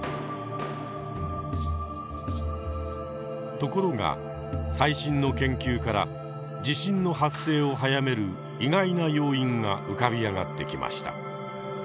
ところが最新の研究から地震の発生を早める意外な要因が浮かび上がってきました。